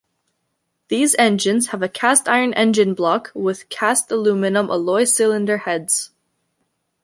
These engines have a cast iron engine block with cast aluminium alloy cylinder heads.